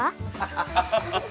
ハハハハ！